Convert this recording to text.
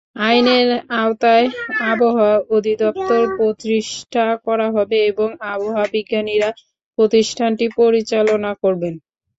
আইনের আওতায় আবহাওয়া অধিদপ্তর প্রতিষ্ঠা করা হবে এবং আবহাওয়াবিজ্ঞানীরা প্রতিষ্ঠানটি পরিচালনা করবেন।